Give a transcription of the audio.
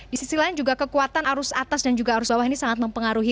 di sisi lain juga kekuatan arus atas dan juga arus bawah ini sangat mempengaruhi